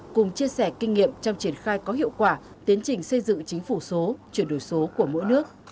cùng chia sẻ kinh nghiệm trong triển khai có hiệu quả tiến trình xây dựng chính phủ số chuyển đổi số của mỗi nước